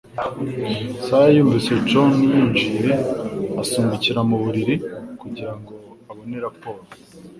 Sarah yumvise John yinjiye asimbukira mu buriri kugirango abone raporo.